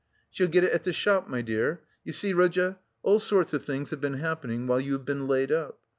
"She'll get it at the shop, my dear. You see, Rodya, all sorts of things have been happening while you have been laid up.